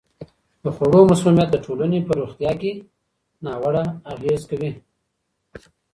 د خوړو مسمومیت د ټولنې په روغتیا ناوړه اغېزه کوي.